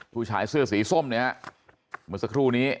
ผู้ชายเสื้อสีส้มเนี่ยฮะเมื่อสักครู่นี้